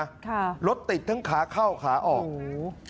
ค่ะรถติดทั้งขาเข้าขาออกโอ้โห